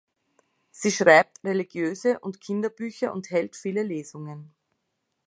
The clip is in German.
Sie schreibt religiöse und Kinderbücher und hält viele Lesungen.